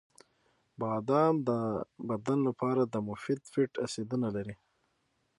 • بادام د بدن لپاره د مفید فیټ اسیدونه لري.